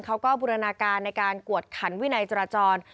บูรณาการในการกวดขันวินัยจราจร